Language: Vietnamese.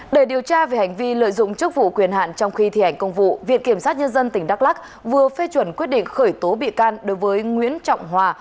để điều tra về hành vi lợi dụng chức vụ quyền hạn trong khi thi hành công vụ viện kiểm sát nhân dân tỉnh đắk lắc vừa phê chuẩn quyết định khởi tố bị can đối với nguyễn trọng hòa